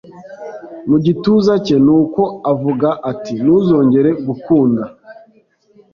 mu gituza cye nuko avuga ati ntuzongere gukunda